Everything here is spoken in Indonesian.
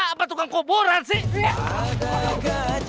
apa tukang kuburan sih